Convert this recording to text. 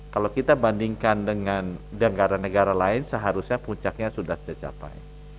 kalau kita bandingkan dengan negara negara lain seharusnya puncaknya sudah tercapai